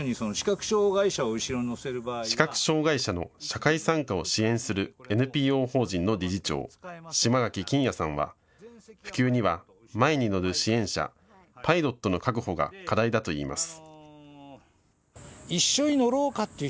視覚障害者の社会参加を支援するＮＰＯ法人の理事長、嶋垣謹哉さんは普及には前に乗る支援者、パイロットの確保が課題だといいます。